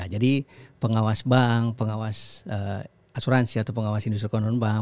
jadi pengawas bank pengawas asuransi atau pengawas industri konon bank